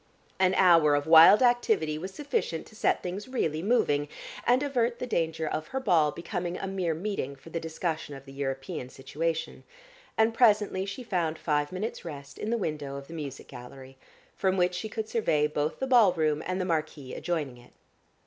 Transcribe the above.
An hour of wild activity was sufficient to set things really moving, and avert the danger of her ball becoming a mere meeting for the discussion of the European situation, and presently she found five minutes rest in the window of the music gallery from which she could survey both the ballroom and the marquee adjoining it.